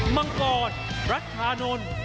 มังกรรัชธานนท์